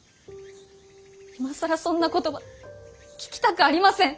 今更そんな言葉聞きたくありません。